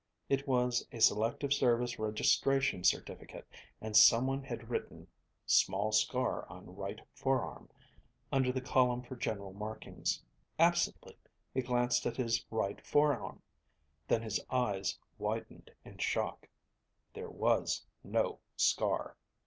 It was a Selective Service Registration Certificate and someone had written "small scar on right forearm" under the column for general markings. Absently he glanced at his right forearm, then his eyes widened in shock. There was no scar!